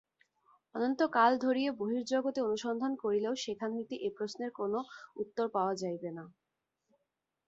অনন্তকাল ধরিয়া বহির্জগতে অনুসন্ধান করিলেও সেখান হইতে এ প্রশ্নের কোন উত্তর পাওয়া যাইবে না।